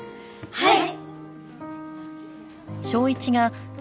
はい。